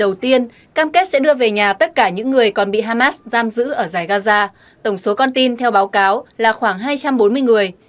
đầu tiên cam kết sẽ đưa về nhà tất cả những người còn bị hamas giam giữ ở giải gaza tổng số con tin theo báo cáo là khoảng hai trăm bốn mươi người